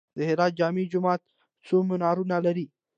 د هرات جامع جومات څو منارونه لري؟